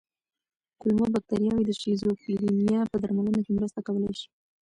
کولمو بکتریاوې د شیزوفرینیا په درملنه کې مرسته کولی شي.